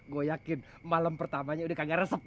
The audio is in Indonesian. gue yakin malam pertamanya udah kagak resep